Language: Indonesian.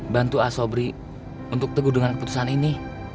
bantu a sobri untuk teguh dengan keputusan ini